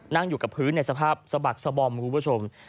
นั่งอยู่กับพื้นในสภาพสะบักสะบอมคุณผู้ชม